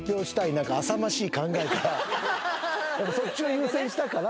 そっちを優先したから。